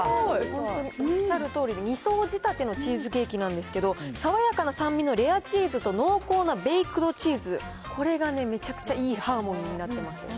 本当におっしゃるとおりで、２層仕立てのチーズケーキなんですけど、爽やかな酸味のレアチーズと濃厚なベイクドチーズ、これがね、めちゃくちゃいいハーモニーになっています。